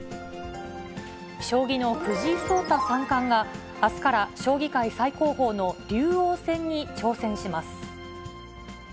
将棋の藤井聡太三冠があすから将棋界最高峰の竜王戦に挑戦します。